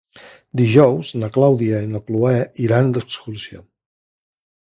Dijous na Clàudia i na Cloè iran d'excursió.